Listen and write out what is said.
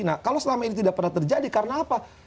nah kalau selama ini tidak pernah terjadi karena apa